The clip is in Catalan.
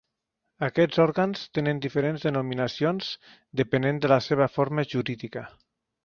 Aquests òrgans tenen diferents denominacions depenent de la seva forma jurídica.